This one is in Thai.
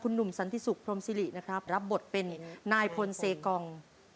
คุณหนุ่มสันทิศุกรพมศิษย์รับบทเป็นนายพลเซกอง